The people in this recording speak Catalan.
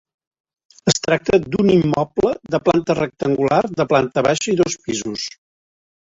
Es tracta d'un immoble de planta rectangular de planta baixa i dos pisos.